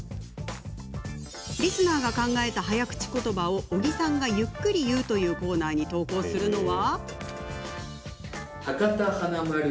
リスナーが考えた早口ことばを小木さんがゆっくり言うというコーナーに投稿するのは。